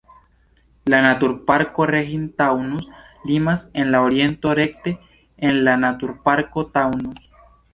La naturparko Rhein-Taunus limas en la oriento rekte en la naturparko Taunus.